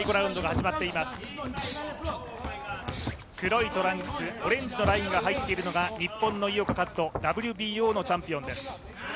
黒いトランクス、オレンジのラインが入っているのが日本の井岡一翔、ＷＢＯのチャンピオンです。